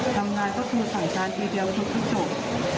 ทำงานเขาถูกสั่งจานทีเดียวทุกโจทย์